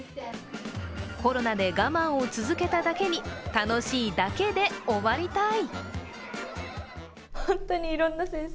コロナで我慢を続けただけに楽しいだけで終わりたい！